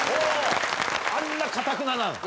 あんなかたくななの？